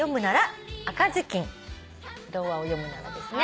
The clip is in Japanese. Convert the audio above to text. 「童話を読むなら」ですね。